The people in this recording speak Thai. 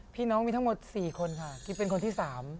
พี่น้องมีทั้งหมด๔คนค่ะกิ๊บเป็นคนที่๓